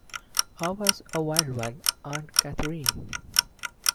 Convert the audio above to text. Ava's a wild one, Aunt Catherine.